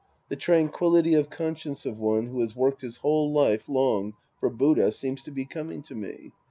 The tranquillity of conscience of one who has worked his whole life long for Buddha seems to be coming to me.